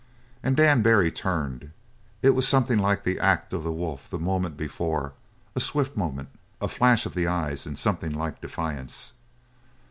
And Dan Barry turned. It was something like the act of the wolf the moment before; a swift movement a flash of the eyes in something like defiance.